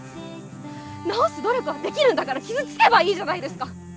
治す努力はできるんだから傷つけばいいじゃないですか！